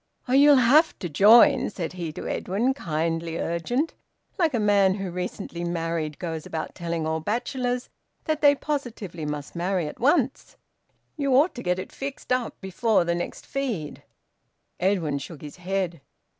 "Oh, you'll have to join!" said he to Edwin, kindly urgent, like a man who, recently married, goes about telling all bachelors that they positively must marry at once. "You ought to get it fixed up before the next feed." Edwin shook his head.